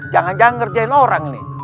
jangan jangan ngerjain orang nih